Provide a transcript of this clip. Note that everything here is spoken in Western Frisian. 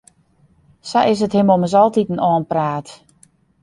Sa is it him ommers altiten oanpraat.